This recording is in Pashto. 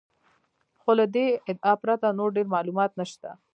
خو له دې ادعا پرته نور ډېر معلومات نشته.